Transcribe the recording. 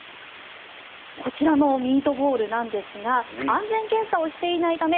こちらのミートボールなんですが安全検査をしていないため